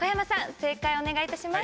正解お願いいたします。